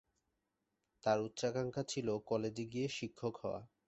তার উচ্চাকাঙ্ক্ষা ছিল কলেজে গিয়ে শিক্ষক হওয়া।